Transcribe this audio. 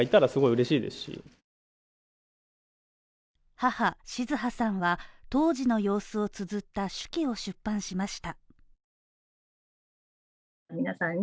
母、静葉さんは当時の様子をつづった手記を出版しました。